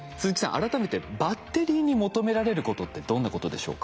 改めてバッテリーに求められることってどんなことでしょうか？